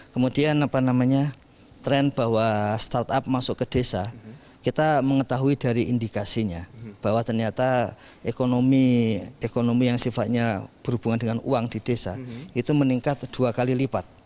kemudian apa namanya tren bahwa startup masuk ke desa kita mengetahui dari indikasinya bahwa ternyata ekonomi yang sifatnya berhubungan dengan uang di desa itu meningkat dua kali lipat